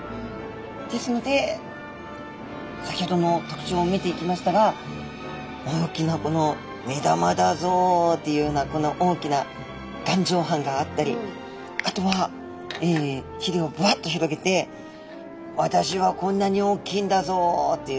ですので先ほどの特徴を見ていきましたが大きなこの目玉だぞっていうようなこの大きな眼状斑があったりあとはひれをバッと広げて「私はこんなに大きいんだぞ」という。